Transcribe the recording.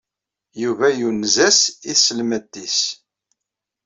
Yuba yunez-as i tselmadt-nnes.